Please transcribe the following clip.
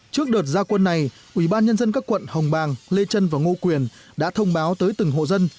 trước đợt gia quân này ủy ban nhân dân các quận hồng bàng lê trân và ngô quyền đã thông báo tới từng hộ dân